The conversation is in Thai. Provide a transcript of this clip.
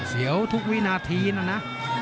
เสียวทุกวินาทีนะนะ